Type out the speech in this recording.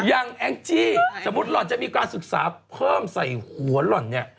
แองจี้สมมุติหล่อนจะมีการศึกษาเพิ่มใส่หัวหล่อนเนี่ย